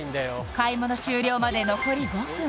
買い物終了まで残り５分